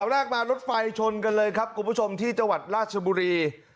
แรกมารถไฟชนกันเลยครับคุณผู้ชมที่จังหวัดราชบุรี